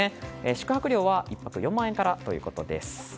宿泊料は１泊４万円からということです。